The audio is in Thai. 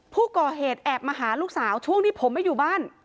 ผู้ก่อเหตุแอบมาหาลูกสาวช่วงที่ผมไม่อยู่บ้าน